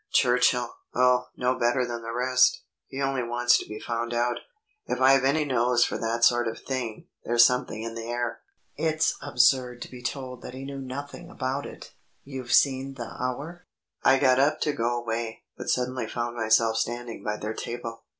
"Churchill ... oh, no better than the rest. He only wants to be found out. If I've any nose for that sort of thing, there's something in the air. It's absurd to be told that he knew nothing about it.... You've seen the Hour?" I got up to go away, but suddenly found myself standing by their table.